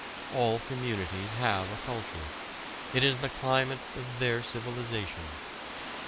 All communities have a culture. It is the climate of their civilization.